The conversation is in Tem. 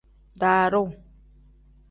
Daaru.